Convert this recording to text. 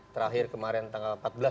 terakhir kemarin tanggal empat belas